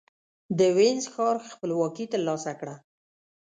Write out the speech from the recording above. د وينز ښار خپلواکي ترلاسه کړه.